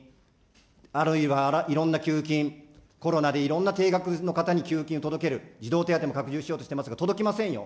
あるいはいろんな給付金、コロナでいろんなていがくの方に届ける、児童手当も拡充しようとしてますが、届きませんよ。